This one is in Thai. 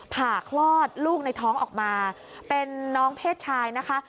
ผ่าคลอดลูกในท้องออกมาเป็นน้องเพศชายนะคะ